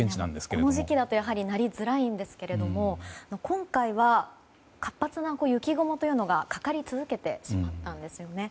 この時期だとなりづらいんですが今回は活発な雪雲というのがかかり続けてしまったんですね。